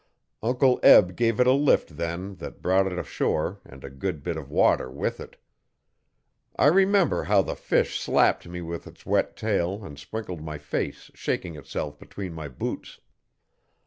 Uncle Eb gave it a lift then that brought it ashore and a good bit of water with it. I remember how the fish slapped me with its wet tail and sprinkled my face shaking itself between my boots.